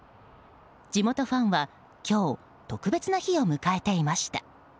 地元ファンは今日、特別な日を迎えていました。